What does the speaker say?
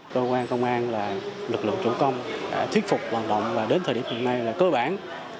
cơ quan công an là lực lượng chủ công thuyết phục vận động và đến thời điểm hiện nay là cơ bản